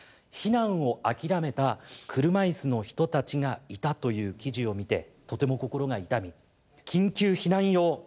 避難を諦めた車いすの人たちがいたという記事を見てとても心が痛み緊急避難用